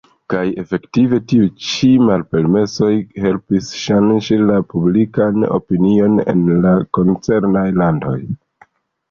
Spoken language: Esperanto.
Kaj efektive tiuj ĉi malpermesoj helpis ŝanĝi la publikan opinion en la koncernaj landoj.